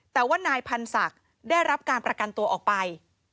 แต่ว่านายพันธุศักดิ์ได้รับการประกันตัวออกไป